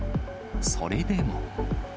それでも。